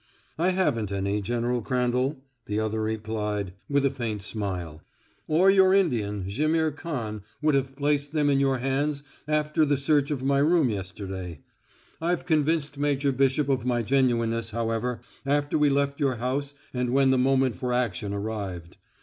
"I haven't any, General Crandall," the other replied, with a faint smile, "or your Indian, Jaimihr Khan, would have placed them in your hands after the search of my room yesterday. I've convinced Major Bishop of my genuineness, however after we left your house and when the moment for action arrived.